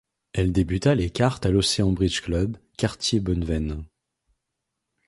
Elle débuta les cartes à l'Océan Bridge Club, quartier Bonneveine.